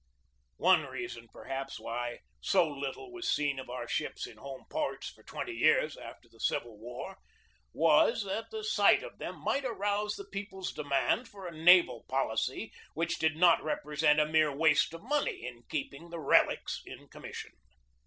One reason, perhaps, why so little was seen of our ships in home ports for twenty years after the Civil War, was that the sight of them might arouse the people's demand for a naval policy which did not represent a mere waste of money in keeping the relics in commission.